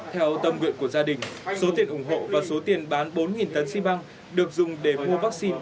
theo tâm nguyện của gia đình số tiền ủng hộ và số tiền bán bốn tấn xi măng được dùng để mua vaccine